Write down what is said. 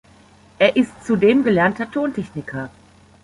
Er ist zudem gelernter Tontechniker.